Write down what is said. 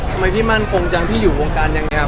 ทำไมพี่มั่นฟงจังพี่อยู่กรรมการอย่างงี้อ่ะ